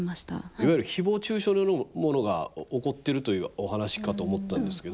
いわゆる誹謗・中傷のようなものが起こってるというお話かと思ったんですけど。